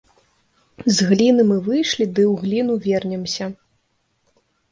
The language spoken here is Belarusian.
З гліны мы выйшлі ды ў гліну вернемся.